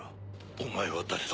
お前は誰だ？